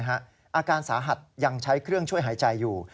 อาการสาหัสยังใช้เครื่องช่วยหายใจอยู่